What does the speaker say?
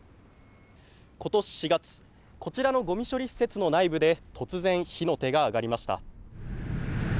今年４月こちらのごみ処理施設の内部で突然、火の手が上がりました。